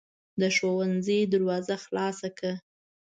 د ښوونځي دروازه خلاصه کړه.